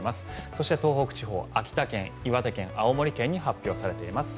そして東北地方、秋田県、岩手県青森県に発表されています。